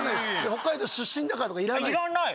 北海道出身だからとか要らない要らない？